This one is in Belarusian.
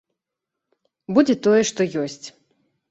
Будзе тое, што ёсць.